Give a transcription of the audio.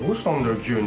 急に。